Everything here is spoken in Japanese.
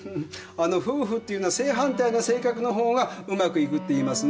あの「夫婦っていうのは正反対な性格のほうがうまくいく」って言いますね。